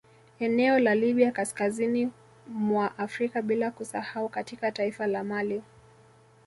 Eneo la Libya kaskazini mwa Afrika bila kusahau katika taifa la mali